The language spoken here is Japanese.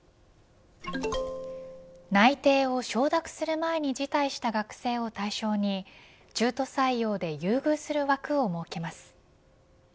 内定を承諾する前に辞退した学生を対象に中途採用で優遇する枠を設けます。